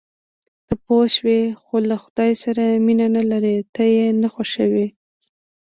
ته پوه شوې، خو له خدای سره مینه نه لرې، ته یې نه خوښوې.